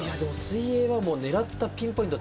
水泳は狙ったピンポイント